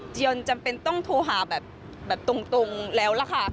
จำเป็นต้องโทรหาแบบตรงแล้วล่ะค่ะ